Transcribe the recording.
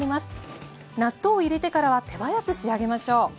納豆を入れてからは手早く仕上げましょう。